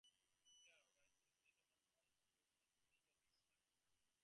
Player "rank" is determined by score at the end of each level.